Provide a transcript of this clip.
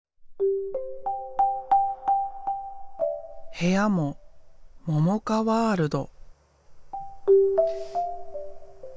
部屋もももかワールド。